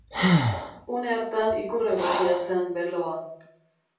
Une hartan ikur egokia zen beloa.